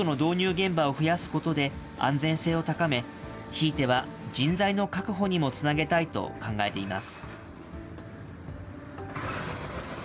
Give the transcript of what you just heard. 現場を増やすことで、安全性を高め、ひいては人材の確保にもつなげたいと考えています。